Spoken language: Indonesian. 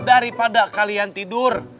daripada kalian tidur